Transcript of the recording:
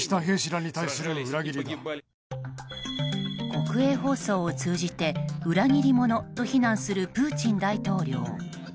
国営放送を通じて裏切り者と非難するプーチン大統領。